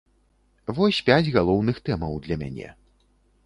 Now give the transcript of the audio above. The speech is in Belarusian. Вось пяць галоўных тэмаў для мяне.